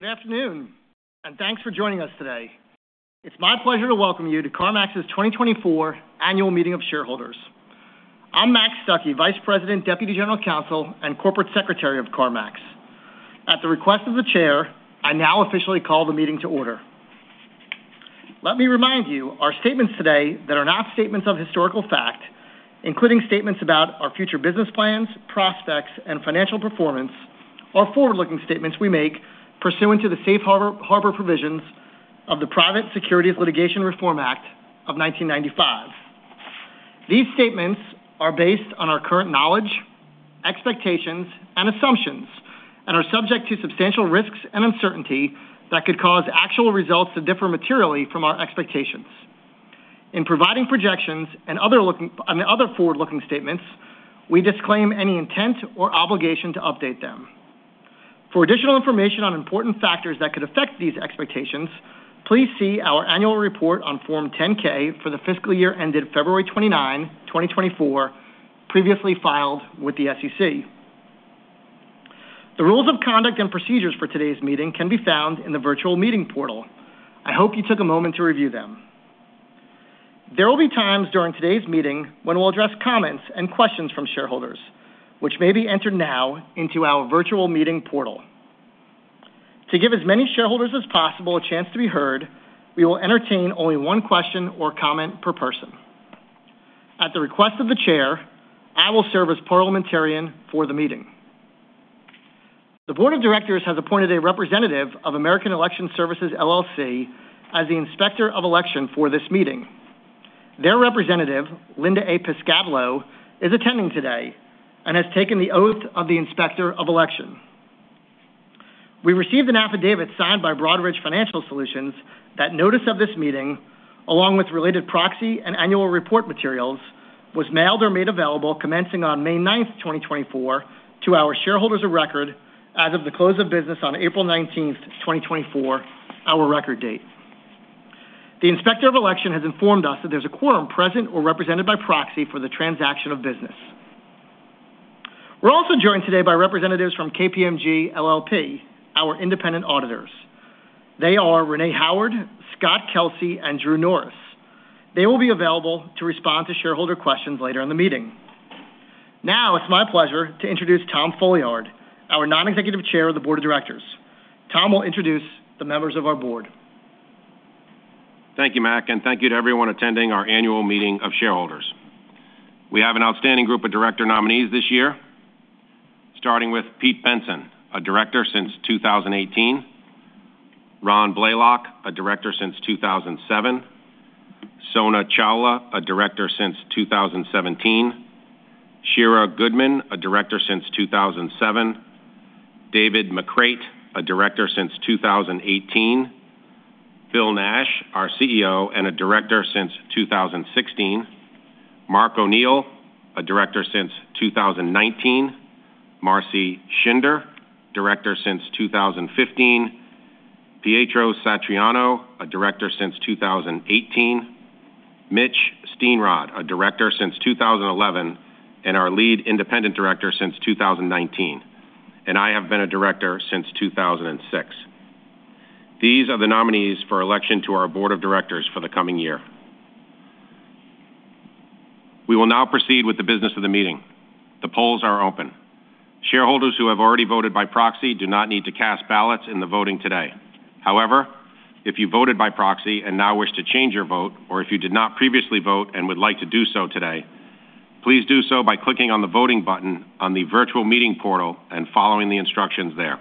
Good afternoon, and thanks for joining us today. It's my pleasure to welcome you to CarMax's 2024 annual meeting of shareholders. I'm Mac Stuckey, Vice President, Deputy General Counsel, and Corporate Secretary of CarMax. At the request of the chair, I now officially call the meeting to order. Let me remind you, our statements today that are not statements of historical fact, including statements about our future business plans, prospects, and financial performance, are forward-looking statements we make pursuant to the safe harbor provisions of the Private Securities Litigation Reform Act of 1995. These statements are based on our current knowledge, expectations, and assumptions, and are subject to substantial risks and uncertainty that could cause actual results to differ materially from our expectations. In providing projections and other forward-looking statements, we disclaim any intent or obligation to update them. For additional information on important factors that could affect these expectations, please see our annual report on Form 10-K for the fiscal year ended February 29, 2024, previously filed with the SEC. The rules of conduct and procedures for today's meeting can be found in the virtual meeting portal. I hope you took a moment to review them. There will be times during today's meeting when we'll address comments and questions from shareholders, which may be entered now into our virtual meeting portal. To give as many shareholders as possible a chance to be heard, we will entertain only one question or comment per person. At the request of the chair, I will serve as parliamentarian for the meeting. The board of directors has appointed a representative of American Election Services, LLC, as the Inspector of Election for this meeting. Their representative, Linda A. Piscadlo is attending today and has taken the oath of the Inspector of Election. We received an affidavit signed by Broadridge Financial Solutions that notice of this meeting, along with related proxy and annual report materials, was mailed or made available commencing on May 9th, 2024, to our shareholders of record as of the close of business on April 19th, 2024, our record date. The Inspector of Election has informed us that there's a quorum present or represented by proxy for the transaction of business. We're also joined today by representatives from KPMG LLP, our independent auditors. They are Renee Howard, Scott Kelsey, and Drew Norris. They will be available to respond to shareholder questions later in the meeting. Now it's my pleasure to introduce Tom Folliard, our Non-Executive Chair of the Board of Directors. Tom will introduce the members of our board. Thank you, Mac, and thank you to everyone attending our annual meeting of shareholders. We have an outstanding group of director nominees this year, starting with Pete Bensen, a director since 2018, Ron Blaylock, a director since 2007, Sona Chawla, a director since 2017, Shira Goodman, a director since 2007, David McCreight, a director since 2018, Bill Nash, our CEO, and a director since 2016, Mark O'Neill, a director since 2019, Marcy Shinder, director since 2015, Pietro Satriano, a director since 2018, Mitch Steenrod, a director since 2011 and our lead independent director since 2019, and I have been a director since 2006. These are the nominees for election to our board of directors for the coming year. We will now proceed with the business of the meeting. The polls are open. Shareholders who have already voted by proxy do not need to cast ballots in the voting today. However, if you voted by proxy and now wish to change your vote, or if you did not previously vote and would like to do so today, please do so by clicking on the voting button on the virtual meeting portal and following the instructions there.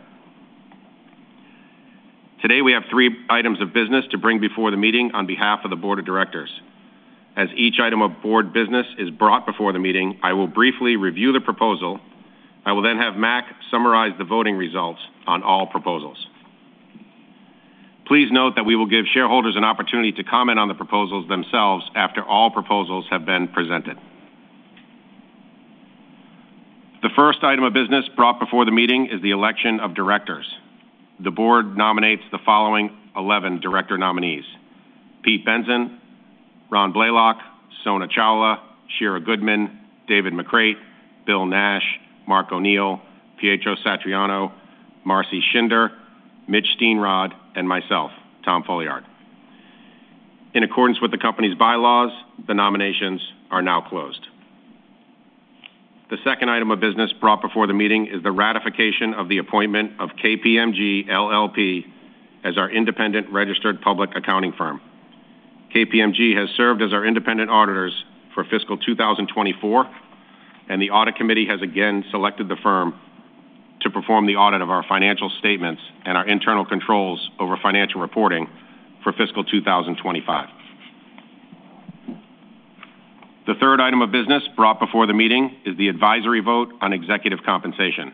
Today, we have three items of business to bring before the meeting on behalf of the board of directors. As each item of board business is brought before the meeting, I will briefly review the proposal. I will then have Mac summarize the voting results on all proposals. Please note that we will give shareholders an opportunity to comment on the proposals themselves after all proposals have been presented. The first item of business brought before the meeting is the election of directors. The board nominates the following 11 director nominees: Pete Bensen, Ron Blaylock, Sona Chawla, Shira Goodman, David McCreight, Bill Nash, Mark O’Neill, Pietro Satriano, Marcy Shinder, Mitch Steenrod, and myself, Tom Folliard. In accordance with the company's bylaws, the nominations are now closed. The second item of business brought before the meeting is the ratification of the appointment of KPMG LLP as our independent registered public accounting firm. KPMG has served as our independent auditors for fiscal 2024, and the Audit Committee has again selected the firm to perform the audit of our financial statements and our internal controls over financial reporting for fiscal 2025. The third item of business brought before the meeting is the advisory vote on executive compensation.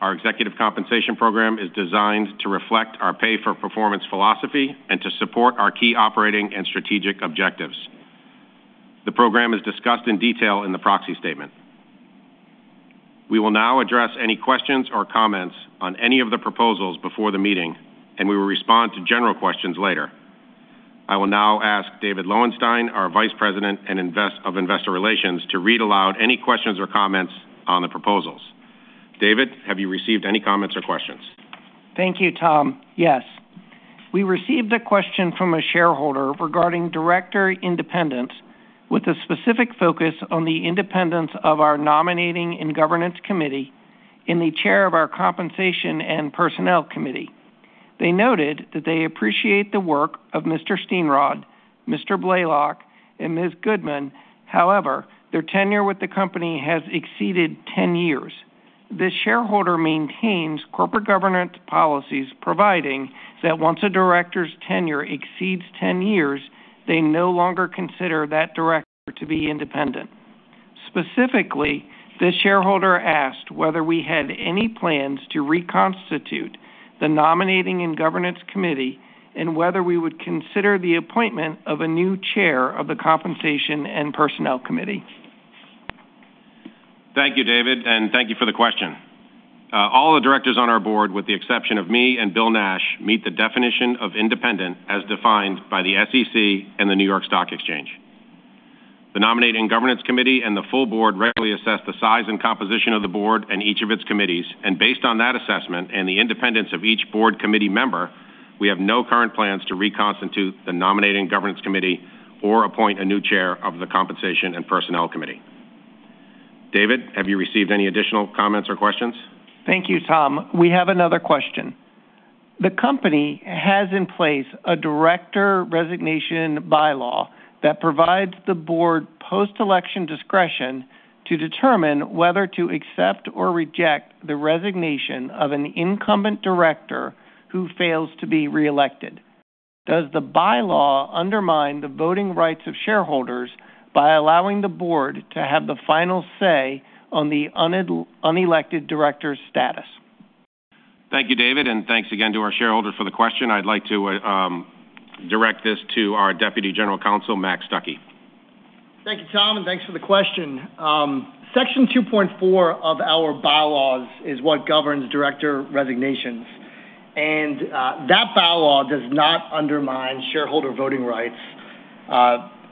Our executive compensation program is designed to reflect our pay-for-performance philosophy and to support our key operating and strategic objectives. The program is discussed in detail in the proxy statement. We will now address any questions or comments on any of the proposals before the meeting, and we will respond to general questions later. I will now ask David Lowenstein, our Vice President of Investor Relations, to read aloud any questions or comments on the proposals. David, have you received any comments or questions? Thank you, Tom. Yes, we received a question from a shareholder regarding director independence, with a specific focus on the independence of our Nominating and Governance Committee and the chair of our Compensation and Personnel Committee. They noted that they appreciate the work of Mr. Steenrod, Mr. Blaylock, and Ms. Goodman. However, their tenure with the company has exceeded ten years. This shareholder maintains corporate governance policies, providing that once a director's tenure exceeds ten years, they no longer consider that director to be independent. Specifically, this shareholder asked whether we had any plans to reconstitute the Nominating and Governance Committee, and whether we would consider the appointment of a new chair of the Compensation and Personnel Committee. Thank you, David, and thank you for the question. All the directors on our board, with the exception of me and Bill Nash, meet the definition of independent as defined by the SEC and the New York Stock Exchange. The Nominating and Governance Committee and the full board regularly assess the size and composition of the board and each of its committees, and based on that assessment and the independence of each board committee member, we have no current plans to reconstitute the Nominating and Governance Committee or appoint a new chair of the Compensation and Personnel Committee. David, have you received any additional comments or questions? Thank you, Tom. We have another question. The company has in place a director resignation bylaw that provides the board post-election discretion to determine whether to accept or reject the resignation of an incumbent director who fails to be reelected. Does the bylaw undermine the voting rights of shareholders by allowing the board to have the final say on the unelected director's status? Thank you, David, and thanks again to our shareholder for the question. I'd like to direct this to our Deputy General Counsel, Mac Stuckey. Thank you, Tom, and thanks for the question. Section 2.4 of our bylaws is what governs director resignations, and that bylaw does not undermine shareholder voting rights.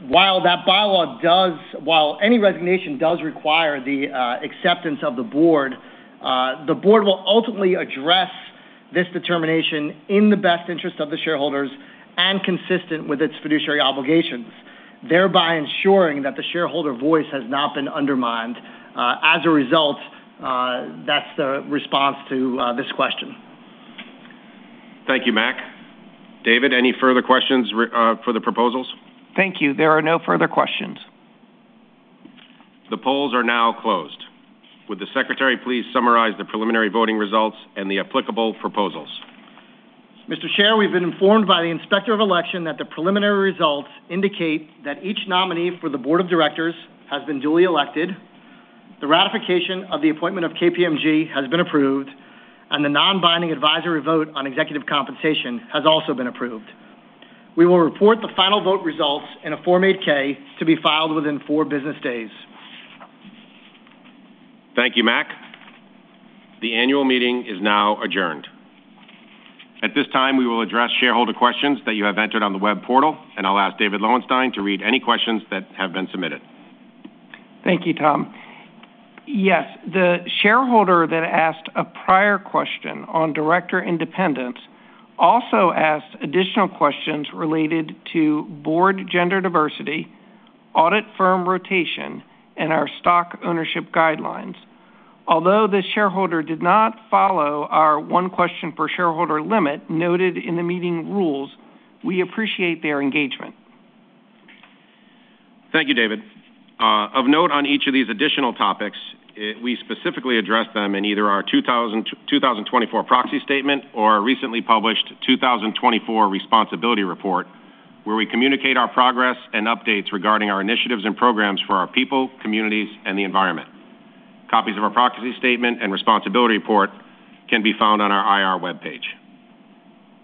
While any resignation does require the acceptance of the board, the board will ultimately address this determination in the best interest of the shareholders and consistent with its fiduciary obligations, thereby ensuring that the shareholder voice has not been undermined. As a result, that's the response to this question. Thank you, Mac. David, any further questions for the proposals? Thank you. There are no further questions. The polls are now closed. Would the secretary please summarize the preliminary voting results and the applicable proposals? Mr. Chair, we've been informed by the Inspector of Election that the preliminary results indicate that each nominee for the board of directors has been duly elected, the ratification of the appointment of KPMG has been approved, and the non-binding advisory vote on executive compensation has also been approved. We will report the final vote results in a Form 8-K to be filed within 4 business days. Thank you, Mac. The annual meeting is now adjourned. At this time, we will address shareholder questions that you have entered on the web portal, and I'll ask David Lowenstein to read any questions that have been submitted. Thank you, Tom. Yes, the shareholder that asked a prior question on director independence also asked additional questions related to board gender diversity, audit firm rotation, and our stock ownership guidelines. Although this shareholder did not follow our one-question-per-shareholder limit noted in the meeting rules, we appreciate their engagement. Thank you, David. Of note on each of these additional topics, we specifically address them in either our 2024 proxy statement or our recently published 2024 Responsibility Peport, where we communicate our progress and updates regarding our initiatives and programs for our people, communities, and the environment. Copies of our proxy statement and Responsibility Report can be found on our IR webpage.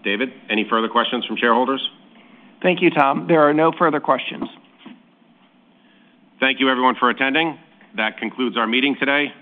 David, any further questions from shareholders? Thank you, Tom. There are no further questions. Thank you, everyone, for attending. That concludes our meeting today.